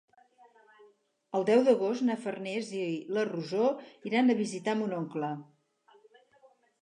El deu d'agost na Farners i na Rosó iran a visitar mon oncle.